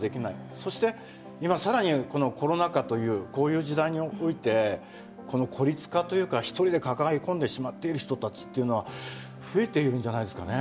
そして今更にこのコロナ禍というこういう時代においてこの孤立化というか独りで抱え込んでしまっている人たちっていうのは増えているんじゃないですかね。